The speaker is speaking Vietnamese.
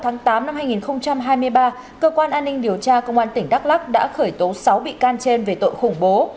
ngày tám hai nghìn hai mươi ba cơ quan an ninh điều tra công an tỉnh đắk lắc đã khởi tố sáu bị can trên về tội khủng bố